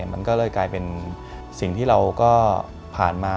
มันก็เลยกลายเป็นสิ่งที่เราก็ผ่านมา